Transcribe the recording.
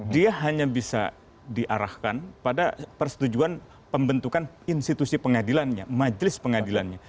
dia hanya bisa diarahkan pada persetujuan pembentukan institusi pengadilannya majelis pengadilannya